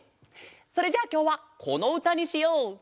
それじゃあきょうはこのうたにしよう！